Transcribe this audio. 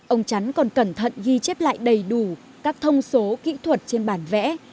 ông chắn còn cẩn thận ghi chép lại đầy đủ các thông số kỹ thuật trên bản vẽ